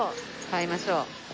買いましょう。